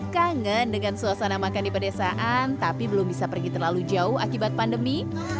kangen dengan suasana makan di pedesaan tapi belum bisa pergi terlalu jauh akibat pandemi